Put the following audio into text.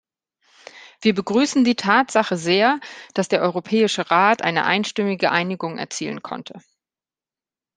Wir begrüßen die Tatsache sehr, dass der Europäische Rat eine einstimmige Einigung erzielen konnte.